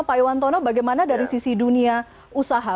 pak iwantono bagaimana dari sisi dunia usaha